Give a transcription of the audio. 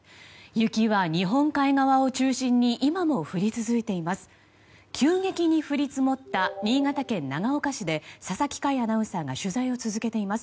雪は日本海側を中心に今も降り続いています。